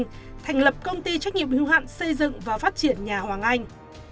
năm hai nghìn năm bà thành lập công ty trách nhiệm hưu hạn xây dựng và phát triển nhà hoàng anh